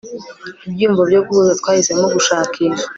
ibyiyumvo byo guhuza twahisemo gushakisha